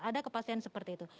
ada kepastian seperti itu